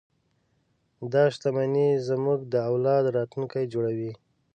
دا شتمنۍ زموږ د اولاد راتلونکی جوړوي.